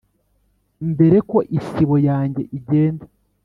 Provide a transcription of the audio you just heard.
Mbera ko isibo, yanjye igenda